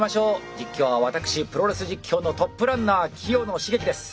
実況は私プロレス実況のトップランナー清野茂樹です。